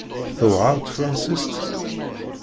Tewεer tefransist?